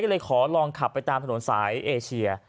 เลยขอลองขับไปตามถนนสายเอเชีย